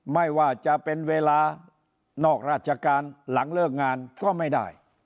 ไม่ว่าจะเป็นเวลานอกราชการหลังเลิกงานก็ไม่ได้